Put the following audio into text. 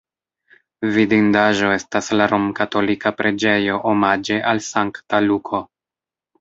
Vidindaĵo estas la romkatolika preĝejo omaĝe al Sankta Luko.